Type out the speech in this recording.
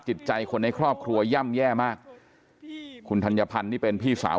จิตใจคนในครอบครัวย่ำแย่มากคุณธัญพันธ์นี่เป็นพี่สาว